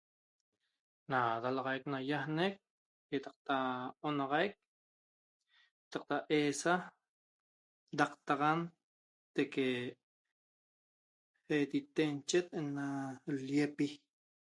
na dalaxaic nayagnec yetacta onaxaic yetacta esa dactaxan teque yatenachet ena layipii